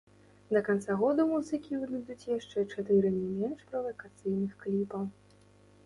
Да канца году музыкі выдадуць яшчэ чатыры не менш правакацыйных кліпа.